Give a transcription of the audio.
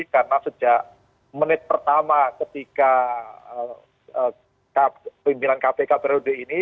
karena sejak menit pertama ketika pimpinan kpk periode ini